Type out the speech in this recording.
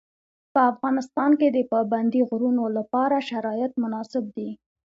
په افغانستان کې د پابندي غرونو لپاره شرایط مناسب دي.